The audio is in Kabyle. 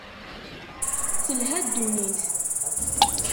Telha ddunit.